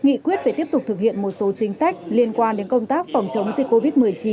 nghị quyết về tiếp tục thực hiện một số chính sách liên quan đến công tác phòng chống dịch covid một mươi chín